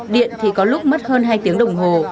điện thì có lúc mất hơn hai tiếng đồng hồ